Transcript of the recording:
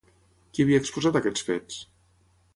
Qui havia exposat aquests fets?